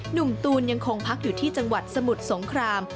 หนุ่มตูนยังคงพักอยู่ที่จังหวัดสมุทรสงคราม